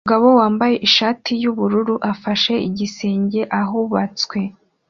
Umugabo wambaye ishati yubururu afashe igisenge ahubatswe